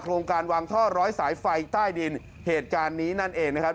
โครงการวางท่อร้อยสายไฟใต้ดินเหตุการณ์นี้นั่นเองนะครับ